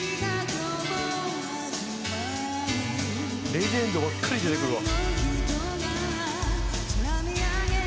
「レジェンドばっかり出てくるわ」